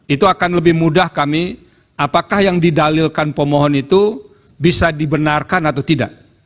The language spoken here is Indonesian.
itu akan lebih mudah kami apakah yang didalilkan pemohon itu bisa dibenarkan atau tidak